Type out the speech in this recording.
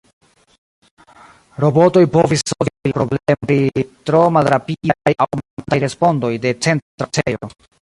Robotoj povus solvi la problemon pri tro malrapidaj aŭ mankantaj respondoj de Centra Oficejo.